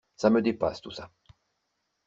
Ça me dépasse, tout ça.